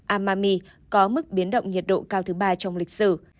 amami có mức biến động nhiệt độ cao thứ ba trong lịch sử